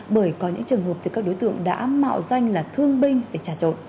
bởi có những trường hợp từ các đối tượng đã mạo danh là thương binh để trả trội